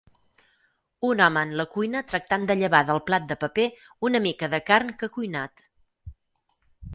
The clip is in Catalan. Un home en la cuina tractant de llevar del plat de paper una mica de carn que ha cuinat.